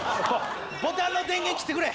ボタンの電源切ってくれ。